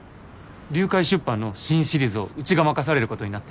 龍界出版の新シリーズをうちが任されることになって。